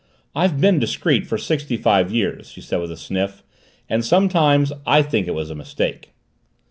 "I've been discreet for sixty five years," she said with a sniff, "and sometimes I think it was a mistake!"